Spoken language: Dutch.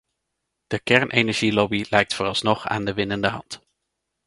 De kernenergielobby lijkt vooralsnog aan de winnende hand.